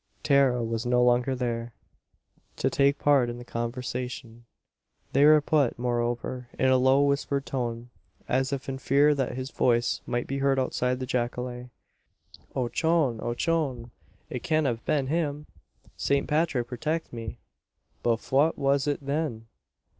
Tara was no longer there, to take part in the conversation. They were put, moreover, in a low whispered tone, as if in fear that his voice might be heard outside the jacale. "Ochone! Ochone! it cyan't av been him! Sant Pathrick protict me, but fwhat was it thin?